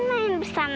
aku akan menyesal